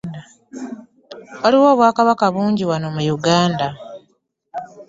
Waliwo obwakabaka bungi wano mu Uganda